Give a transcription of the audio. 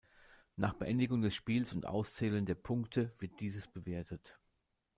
Nach Beendigung des Spiels und Auszählen der Punkte wird dieses gewertet.